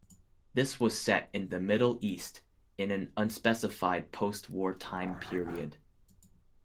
This was set in the Middle East in an unspecified post-war time period.